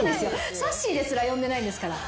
さっしーですら呼んでないんですから。